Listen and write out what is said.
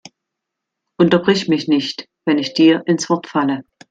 Unterbrich mich nicht, wenn ich dir ins Wort falle!